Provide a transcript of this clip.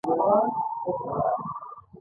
ایا زه کیک وخورم؟